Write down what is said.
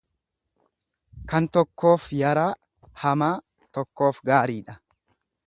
Kan tokkoof yaraa hamaa, tokkoof gaariidha.